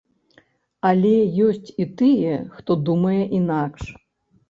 Але ёсць і тыя, хто думае інакш.